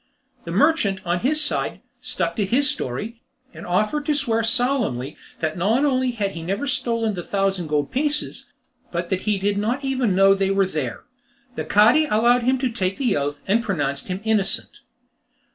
The merchant, on his side, stuck to his story, and offered to swear solemnly that not only had he never stolen the thousand gold pieces, but that he did not even know they were there. The Cadi allowed him to take the oath, and pronounced him innocent.